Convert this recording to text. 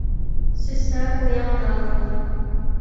Сӧсна коям налыт.